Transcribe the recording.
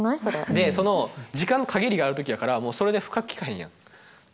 でその時間の限りがある時やからもうそれで深く聞かへんやん。